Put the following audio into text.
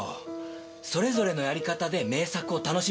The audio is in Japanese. それぞれのやり方で名作を楽しむ。